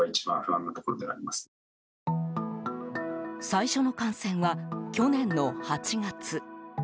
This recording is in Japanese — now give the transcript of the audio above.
最初の感染は去年の８月。